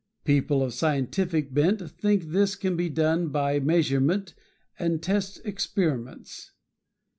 People of scientific bent think this can be done by measurement and test experiments.